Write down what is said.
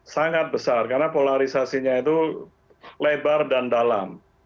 sangat besar karena polarisasinya itu lebar dan dalam